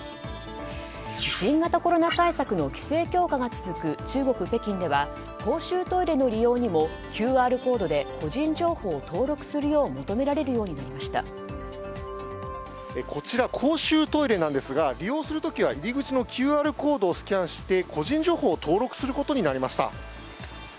新型コロナ対策の規制強化が続く中国・北京では公衆トイレの利用にもＱＲコードで個人情報を登録するようこちら、公衆トイレなんですが利用する時は入り口のＱＲコードをスキャンして、個人情報を登録することになりました。